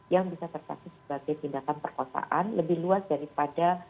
yang bisa tersakit sebagai tindakan perkosaan lebih luas daripada